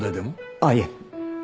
ああいえ。